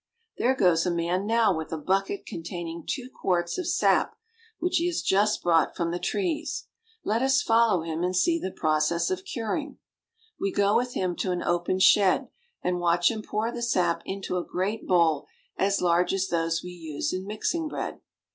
There goes a man now with a bucket containing two quarts of sap which he has just brought from the trees. Let us follow him and see the pro cess of curing. We go with him to an open shed, and watch him pour the sap into a great bowl as large as those we use in mixing bread.